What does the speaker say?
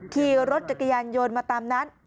ที่รถจักรยานโยนมาตามนัด